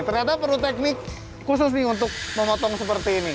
ternyata perlu teknik khusus nih untuk memotong seperti ini